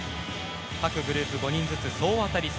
各グループ５人ずつ総当たり戦。